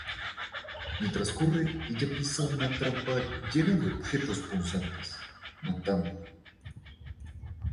Mientras corre, ella pisa una trampa llena de objetos punzantes, matándola.